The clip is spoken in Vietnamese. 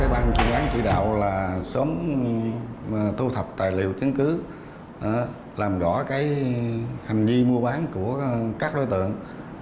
ban chuyên án chỉ đạo là sớm thu thập tài liệu chứng cứ làm rõ hành vi mua bán của các đối tượng